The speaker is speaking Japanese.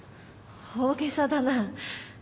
大げさだな。